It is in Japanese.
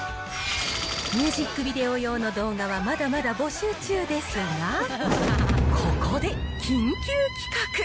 ミュージックビデオ用の動画はまだまだ募集中ですが、ここで緊急企画。